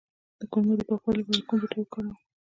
د کولمو د پاکوالي لپاره کوم بوټی وکاروم؟